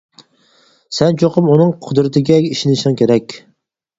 سەن چوقۇم ئۇنىڭ قۇدرىتىگە ئىشىنىشىڭ كېرەك.